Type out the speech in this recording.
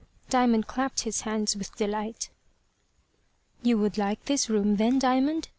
Diamond clapped his hands with delight. "You would like this room, then, Diamond?"